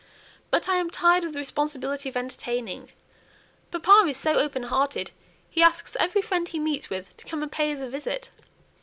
But I am tired of the responsibility of entertaining. Papa is so open hearted, he asks every friend he meets with to come and pay us a visit.